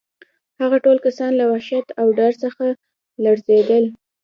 هغه ټول کسان له وحشت او ډار څخه لړزېدل